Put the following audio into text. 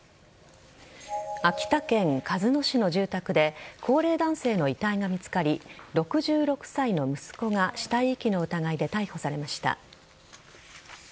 秋田県鹿角市の住宅で高齢男性の遺体が見つかり６６歳の息子が死体遺棄の疑いで逮捕されました。